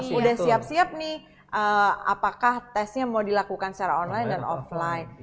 sudah siap siap nih apakah tesnya mau dilakukan secara online dan offline